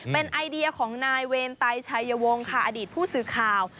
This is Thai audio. เป็นไอเดียของนายเวรไตชัยวงศ์ค่ะอดีตผู้สื่อข่าว